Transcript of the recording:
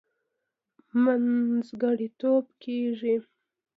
منځګړتوب کېږي.